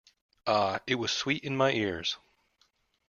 Ah, it was sweet in my ears.